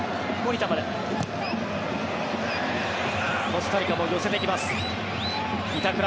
コスタリカも寄せてきます。